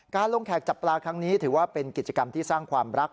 การลงแขกจับปลาครั้งนี้ถือว่าเป็นกิจกรรมที่สร้างความรัก